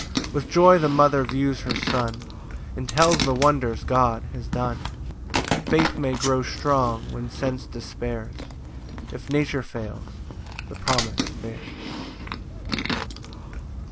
7 With joy the mother views her son, And tells the wonders God has done: Faith may grow strong when sense despairs, If nature fails, the promise bears.